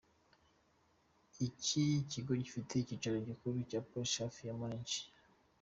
Iki kigo gifite icyicaro gikuru I Pullach hafi ya Munich.